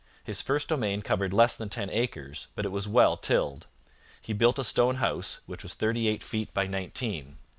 His first domain covered less than ten acres, but it was well tilled. He built a stone house, which was thirty eight feet by nineteen.